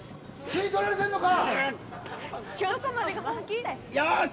吸い取られてるのか？